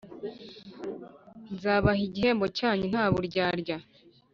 nzabaha igihembo cyanyu nta buryarya,